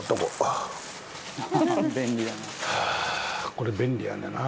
これ、便利やねんな